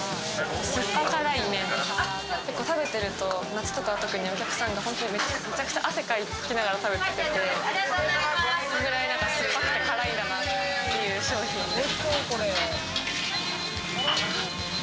酸っぱ辛い麺、結構食べてると夏とかはお客さんがめちゃくちゃ汗かきながら食べててそれくらい酸っぱくて辛いんだなっていう商品です。